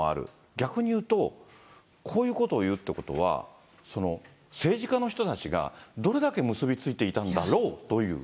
逆に言うと、こういうことを言うということは、政治家の人たちがどれだけ結び付いていたんだろうという。